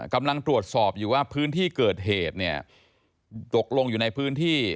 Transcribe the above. กำลังตรวจสอบอยู่ว่าพื้นที่เกิดเหตุเนี่ยตกลงอยู่ในพื้นที่